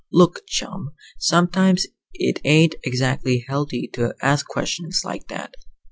"Look, chum, sometimes it ain't exactly healthy to ask questions like that."